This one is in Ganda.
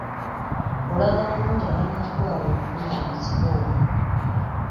Olaga bulungi abanaatwala obuvunaanyizibwa obwo.